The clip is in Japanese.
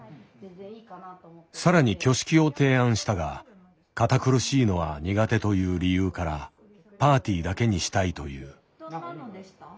さらに挙式を提案したが堅苦しいのは苦手という理由からパーティーだけにしたいという。